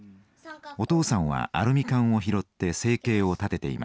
お父さんはアルミ缶を拾って生計を立てていました。